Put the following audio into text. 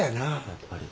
やっぱり。